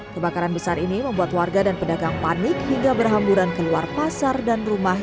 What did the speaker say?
kebakaran besar ini membuat warga dan pedagang panik hingga berhamburan keluar pasar dan rumah